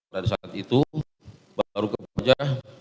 dari saat itu baru kebaca